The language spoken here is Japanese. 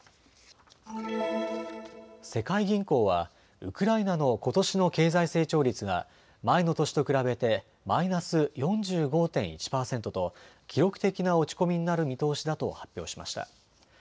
世界銀行はウクライナのことしの経済成長率が前の年と比べてマイナス４５．１％と記録的な落ち込みになる見通しだと発表しました。